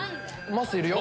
まっすーいるよ。